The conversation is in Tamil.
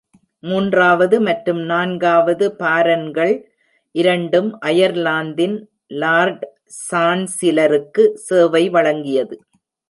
மூன்றாவது மற்றும் நான்காவது பாரன்கள் இரண்டும் அயர்லாந்தின் லார்ட் சான்சிலருக்கு சேவை வழங்கியது.